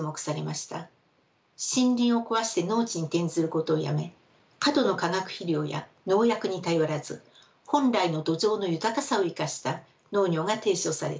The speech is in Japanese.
森林を壊して農地に転ずることをやめ過度の化学肥料や農薬に頼らず本来の土壌の豊かさを生かした農業が提唱されています。